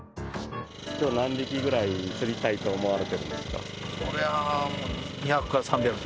今日、何匹くらい釣りたいと思われてるんですか？